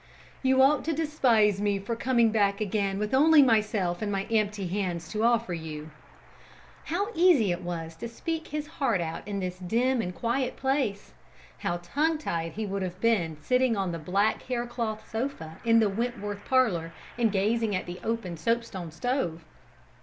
"You ought to despise me for coming back again with only myself and my empty hands to offer you." How easy it was to speak his heart out in this dim and quiet place! How tongue tied he would have been, sitting on the black haircloth sofa in the Wentworth parlour and gazing at the open soapstone stove!